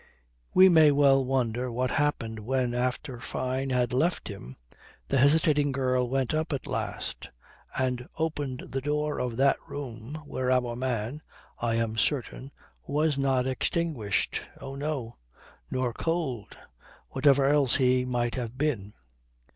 We may well wonder what happened when, after Fyne had left him, the hesitating girl went up at last and opened the door of that room where our man, I am certain, was not extinguished. Oh no! Nor cold; whatever else he might have been.